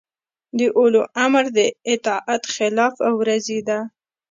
د اولوامر د اطاعت خلاف ورزي ده